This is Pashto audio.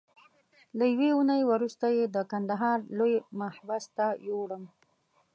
له یوې اونۍ وروسته یې د کندهار لوی محبس ته یووړم.